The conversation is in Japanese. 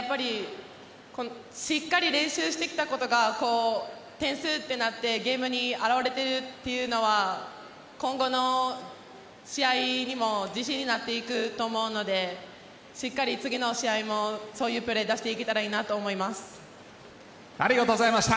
しっかり練習してきたことが点数となってゲームに現れているというのは今後の試合にも自信になっていくと思うのでしっかり次の試合もそういうプレー出していけたらいいなありがとうございました。